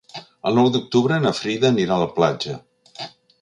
El nou d'octubre na Frida anirà a la platja.